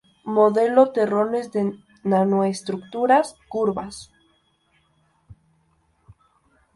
Modelo Terrones de Nanoestructuras Curvas.